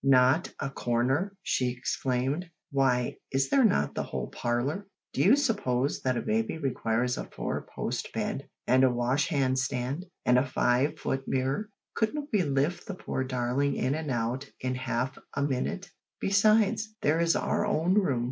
"Not a corner!" she exclaimed, "why, is there not the whole parlour? Do you suppose that a baby requires a four post bed, and a wash hand stand, and a five foot mirror? Couldn't we lift the poor darling in and out in half a minute? Besides, there is our own room.